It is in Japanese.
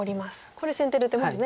これ先手で打てますね。